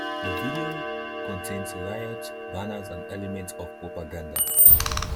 The video contains riots, banners and elements of propaganda.